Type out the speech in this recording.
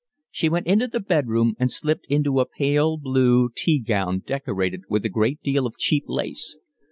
She went into the bed room and slipped into a pale blue tea gown decorated with a great deal of cheap lace.